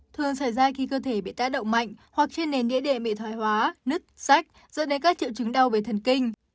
thường xảy ra khi cơ thể bị tác động mạnh hoặc trên nền đĩa đệm bị thoái hóa nứt sách dẫn đến các triệu trứng đau về thần kinh